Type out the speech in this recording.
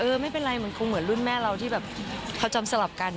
ไม่เป็นไรมันคงเหมือนรุ่นแม่เราที่แบบเขาจำสลับกัน